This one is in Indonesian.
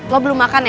lo belum makan ya